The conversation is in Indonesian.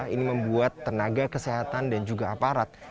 ini membuat tenaga kesehatan dan juga aparat